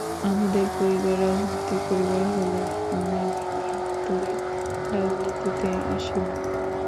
আমাদের পরিবার রাজনৈতিক পরিবার হলেও আমি বাবার হাত ধরে রাজনীতিতে আসিনি।